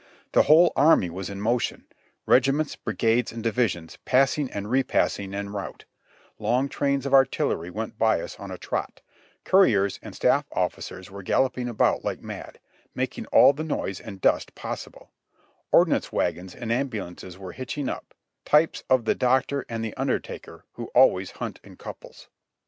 The whole army was in motion; regiments, bri gades and divisions passing and re passing en route ; long trains of artillery went by us on a trot, couriers and staf¥ officers were galloping about like mad, making all the noise and dust possible ; ordnance wagons and ambulances were hitching up — types of the doctor and the imdertaker who always hunt in couples.